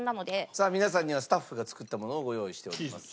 さあ皆さんにはスタッフが作ったものをご用意しております。